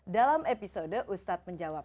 dalam episode ustad menjawab